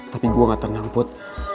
tapi gue gak tenang put